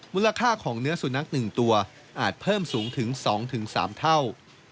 มูลค่าของเนื้อสุนัข๑ตัวอาจเพิ่มสูงถึง๒๓เท่า